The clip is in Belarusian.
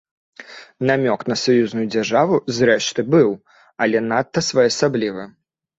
Намёк на саюзную дзяржаву, зрэшты, быў, але надта своеасаблівы.